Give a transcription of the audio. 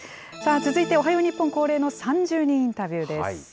続いておはよう日本恒例の３０人インタビューです。